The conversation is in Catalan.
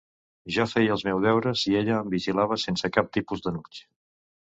Jo feia els meus deures i ella em vigilava sense cap tipus d’enuig...